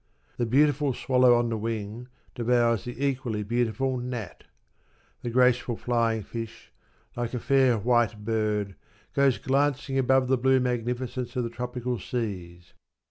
The beautiful swallow on the wing devours the equally beautiful gnat. The graceful flying fish, like a fair white bird, goes glancing above the blue magnificence of the tropical seas.